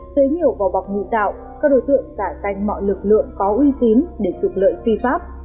tới nhiều vò bọc mụn tạo các đối tượng xả danh mọi lực lượng có uy tín để trục lợi phi pháp